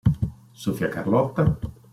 Sofia Carlotta